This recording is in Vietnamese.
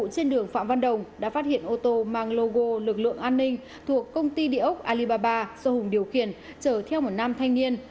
trên đường phạm văn đồng đã phát hiện ô tô mang logo lực lượng an ninh thuộc công ty địa ốc alibaba do hùng điều khiển chở theo một nam thanh niên